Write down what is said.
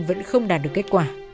vẫn không đạt được kết quả